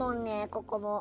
ここも。